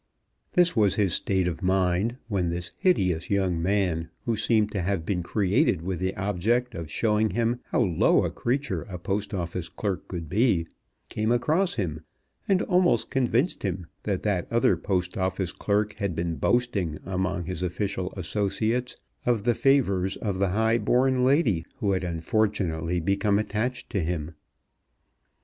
This was his state of mind, when this hideous young man, who seemed to have been created with the object of showing him how low a creature a Post Office clerk could be, came across him, and almost convinced him that that other Post Office clerk had been boasting among his official associates of the favours of the high born lady who had unfortunately become attached to him!